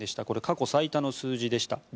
これは過去最多の数字でした。